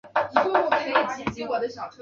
永泽正美为大日本帝国陆军军人。